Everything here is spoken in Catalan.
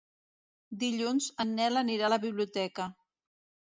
Dilluns en Nel anirà a la biblioteca.